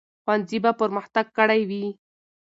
ښوونځي به پرمختګ کړی وي.